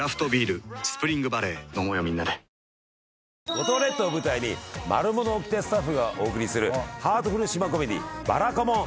五島列島を舞台に『マルモのおきて』スタッフが送るハートフル島コメディー『ばらかもん』